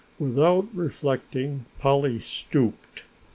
Without reflecting Polly stooped.